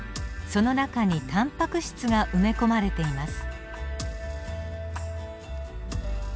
その中にタンパク質や無機物も含まれています。